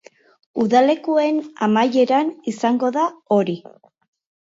Udalekuen amaieran izango da hori.